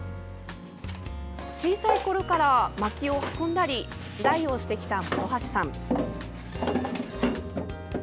小さいころから薪を運んだり手伝いをしてきた本橋さん。